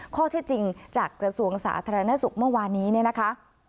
ข้อที่จริงจากกระทรวงสาธารณสุขเมื่อวานนี้เนี่ยนะคะ